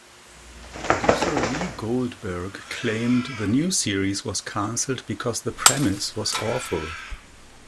Producer Lee Goldberg claimed the new series was canceled because the premise was awful.